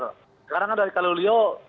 kadang kadang dari kalolio